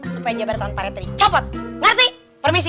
supaya jabatan pak rete dicopot ngerti permisi